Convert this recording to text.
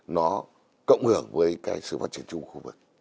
nó cộng hưởng với cái sự phát triển chung của khu vực